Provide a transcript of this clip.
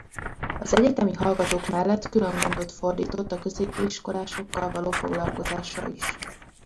Az egyetemi hallgatók mellett külön gondot fordított a középiskolásokkal való foglalkozásra is.